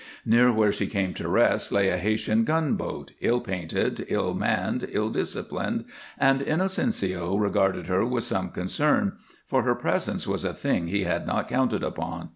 Near where she came to rest lay a Haytian gunboat, ill painted, ill manned, ill disciplined, and Inocencio regarded her with some concern, for her presence was a thing he had not counted upon.